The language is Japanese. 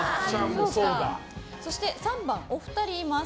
そして３番、お二人います。